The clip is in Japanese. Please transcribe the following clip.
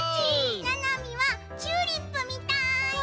ななみはチューリップみたい！